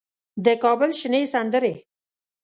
د کابل شنې سندرې